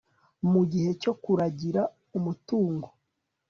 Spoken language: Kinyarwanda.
mugihe cyo kuragira amatungo